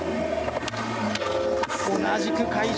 同じく会場